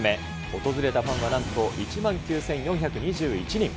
訪れたファンはなんと１万９４２１人。